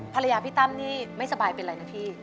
พี่ตั้มนี่ไม่สบายเป็นอะไรนะพี่